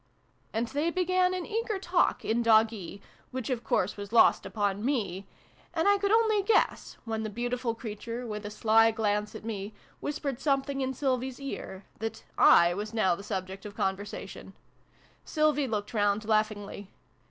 And then began an eager talk in Doggee, which of course was lost upon me ; and I could only guess, when the beautiful creature, with a sly glance at me, whispered something in iv] THE DOG KING. 59 Sylvie's ear, that / was now the subject of con versation. Sylvie looked round laughingly.